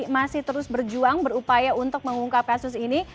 masih terus berjuang berupaya untuk mengungkap kasus ini